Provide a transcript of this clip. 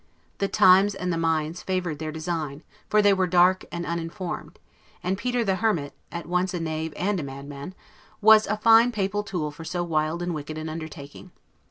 The times and the minds favored their design, for they were dark and uniformed; and Peter the Hermit, at once a knave and a madman, was a fine papal tool for so wild and wicked an undertaking.